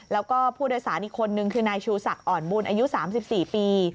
แล้วก็ผู้โดยสารอีกคนนึงคือนายชูศักดิอ่อนบุญอายุ๓๔ปี